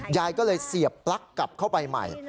ยายก็เลยเสียบปลั๊กกลับเข้าไปใหม่